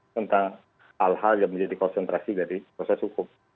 tentang hal hal yang menjadi konsentrasi dari proses hukum